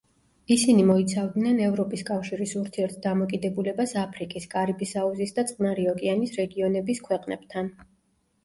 ისინი მოიცავდნენ ევროპის კავშირის ურთიერთდამოკიდებულებას აფრიკის, კარიბის აუზის და წყნარი ოკეანის რეგიონის ქვეყნებთან.